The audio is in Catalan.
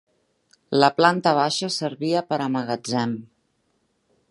La planta baixa servia per a magatzem.